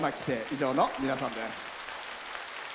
以上の皆さんです。